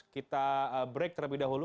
kita break terlebih dahulu